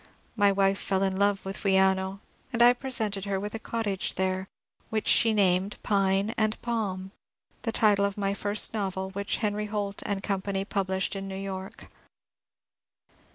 My wife fell in love with Wianno, and I presented her with a cottage there, which she named " Pine and Palm," — the title of my first novel, which Henry Holt & Co. published in New York.